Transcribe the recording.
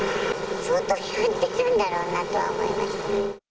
相当やってるんだろうなとは思いました。